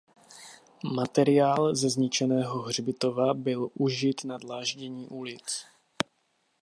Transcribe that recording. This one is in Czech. Materiál ze zničeného hřbitova byl užit na dláždění ulic.